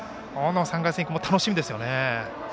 ３回戦以降も楽しみですよね。